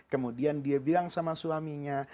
kemudian dia bilang sama suaminya